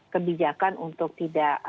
kebijakan untuk tidak